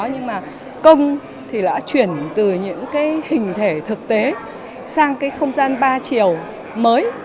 nhưng thì đã chuyển từ những cái hình thể thực tế sang cái không gian ba chiều mới